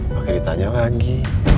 pakai ditanya lagi